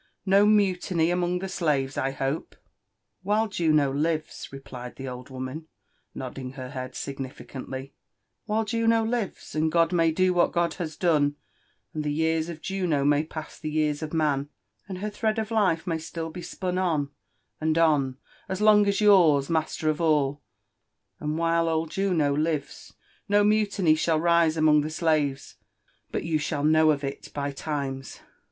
no mutiny among the slaves, I hope f* ''While Juno lives," replied the old woman, nodding her head significantly, — "While Juno lives — and] God may do what God has done— and the years of Juno may pass the years of man — and her thread of life may slill be spun on, and on, as long asyours, master of all, — and while old Juno lives, no mutiny shall rise among the slaves but you shall know of it by times."